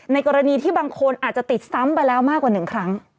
กรณีที่บางคนอาจจะติดซ้ำไปแล้วมากกว่า๑ครั้ง